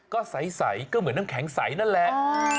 ก็ใสก็เหมือนน้ำแข็งใสนั่นแหละ